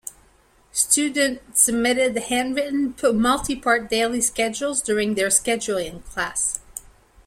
Student submitted hand-written multi-part daily schedules during their scheduling class.